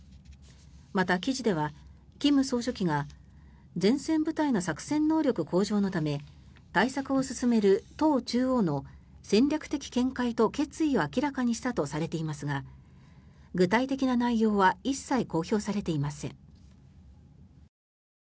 また、記事では金総書記が前線部隊の作戦能力向上のため対策を進める党中央の戦略的見解と決意を明らかにしたとされていますが具体的な内容は一切公表されていません。